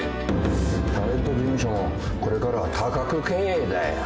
タレント事務所もこれからは多角経営だよ。